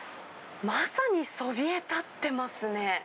まさにそびえ立ってますね。